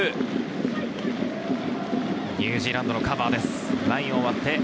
ニュージーランドのカバーです。